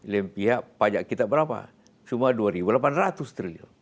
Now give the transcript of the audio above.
lebih pihak pajak kita berapa cuma rp dua delapan ratus triliun